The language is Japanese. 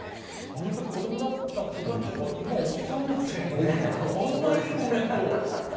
あの時子どもだった子たちが今おっさんになってあんないいコメントを。